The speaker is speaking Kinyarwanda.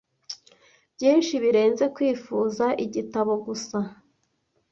byinshi birenze kwifuza igitabo gusa.